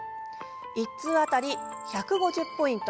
１通当たり１５０ポイント。